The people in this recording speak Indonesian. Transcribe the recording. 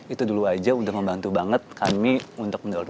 itu dulu aja udah membantu banget kami untuk mendorong